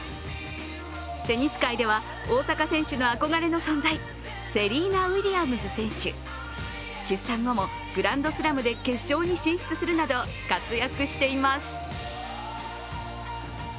テニス界では大坂選手の憧れの存在、セリーナ・ウィリアムズ選手、出産後もグランドスラムで決勝に進出するなど活躍しています。